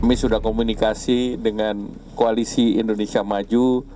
kami sudah komunikasi dengan koalisi indonesia maju